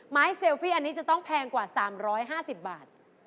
เซลฟี่อันนี้จะต้องแพงกว่า๓๕๐บาท